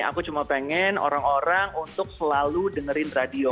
aku cuma pengen orang orang untuk selalu dengerin radio